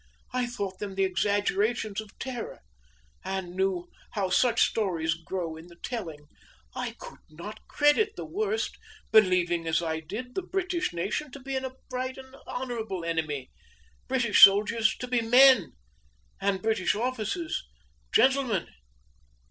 I thought them the exaggerations of terror, and knew how such stories grow in the telling. I could not credit the worst, believing, as I did, the British nation to be an upright and honorable enemy British soldiers to be men and British officers gentlemen.